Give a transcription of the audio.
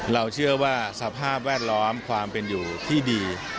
เราเชื่อว่าสภาพแวดล้อมความเป็นอยู่ที่ดี